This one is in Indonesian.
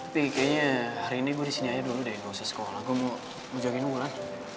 tapi kayaknya hari ini gue disini aja dulu deh gak usah sekolah gue mau jagain ulan